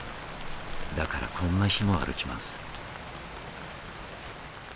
だからこんな日も歩きます。